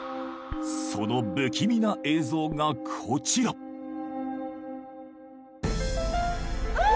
その不気味な映像がこちらうわ！